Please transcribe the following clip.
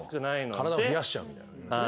体を冷やしちゃうみたいな。